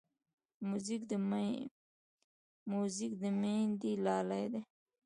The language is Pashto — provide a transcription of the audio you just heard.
موزیک د میندې لالې دی.